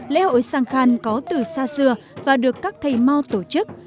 lễ hội sang khan có từ xa xưa và được các thầy mo tổ chức